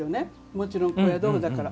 もちろん高野豆腐だから。